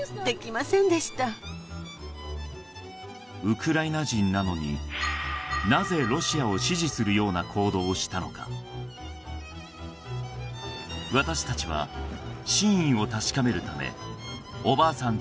ウクライナ人なのになぜロシアを支持するような行動をしたのか私たちは真意を確かめるためおばあさん